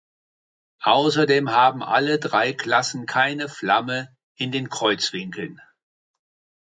Außerdem haben alle drei Klassen keine Flammen in den Kreuzwinkeln.